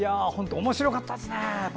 おもしろかったですね。